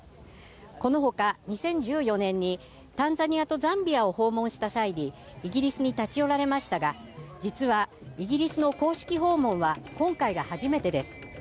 この他、２０１４年にタンザニアをザンビアを訪問した際にイギリスに立ち寄られましたが実はイギリスの公式訪問は今回が初めてです。